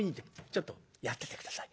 ちょっとやってて下さい。